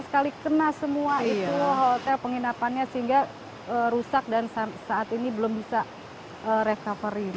sekali kena semua itu hotel penginapannya sehingga rusak dan saat ini belum bisa recovery